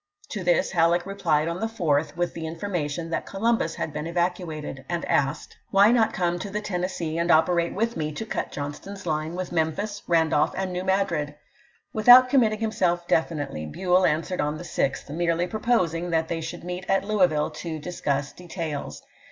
" To this Halleck re plied on the 4th with the information that Columbus had been evacuated, and asked, "Why not come to the Tennessee and operate with me to cut Johnston's line with Memphis, Eandolph, and New Madrid ?" Without committing himself definitely, Buell an swered on the 6th, merely proposing that they should meet at Louisville to discuss details.